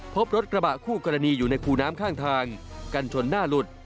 พบรถกระบะคู่กรณีอยู่ในคูน้ำข้างทางกันชนหน้าหลุด